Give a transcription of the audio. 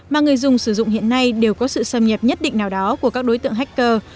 mà người dùng sử dụng hiện nay đều có sự xâm nhập nhất định nào đó của các đối tượng hacker